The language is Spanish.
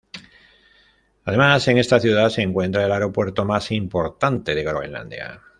Además en esta ciudad se encuentra el aeropuerto más importante de Groenlandia.